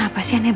aku kasih tau